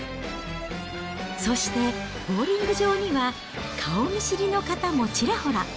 そして、ボウリング場には顔見知りの方もちらほら。